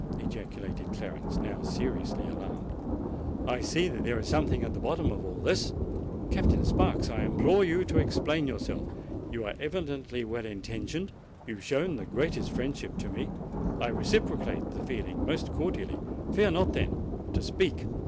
ejaculated Clarence, now seriously alarmed. "I see that there is something at the bottom of all this! Captain Sparks, I implore you to explain yourself. You are evidently well intentioned—you have shown the greatest friendship for me—I reciprocate the feeling most cordially: fear not, then, to speak."